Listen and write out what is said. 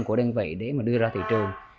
của đơn vị để mà đưa ra thị trường